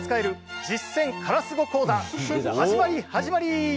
始まり始まり。